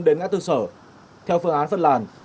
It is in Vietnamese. đến ngã tư sở theo phương án phân làm